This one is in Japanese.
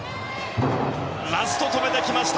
ラスト止めてきました！